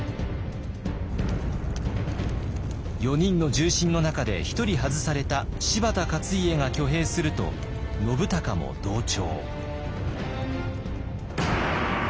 ４人の重臣の中で１人外された柴田勝家が挙兵すると信孝も同調。